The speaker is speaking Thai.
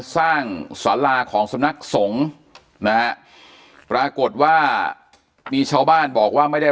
สร้างสวรรค์ของสมนักสงฆ์นะปรากฏว่ามีชาวบ้านบอกว่าไม่ได้